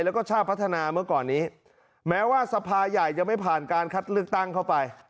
แล้วก็ชาติพัฒนาเมื่อก่อนนี้แม้ว่าสภาใหญ่จะไม่ผ่านการคัดเลือกตั้งเข้าไป